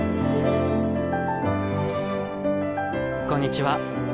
こんにちは。